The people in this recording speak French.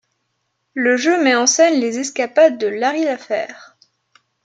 Le jeu met en scène les escapades de Larry Laffer.